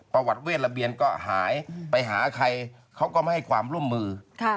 ประวัติเวทระเบียนก็หายไปหาใครเขาก็ไม่ให้ความร่วมมือ